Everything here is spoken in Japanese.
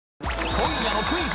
今夜の「クイズ！